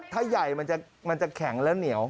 ถ้าใหญ่มันจะแข็งแล้วเหนียว